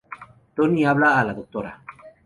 Tony habla a la Dra.